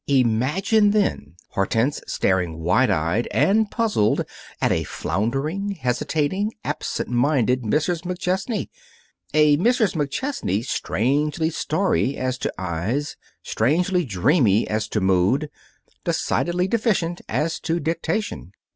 Imagine, then, Hortense staring wide eyed and puzzled at a floundering, hesitating, absent minded Mrs. McChesney a Mrs. McChesney strangely starry as to eyes, strangely dreamy as to mood, decidedly deficient as to dictation.